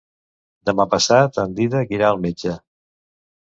Demà passat en Dídac irà al metge.